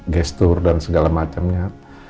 gestur dan segala macamnya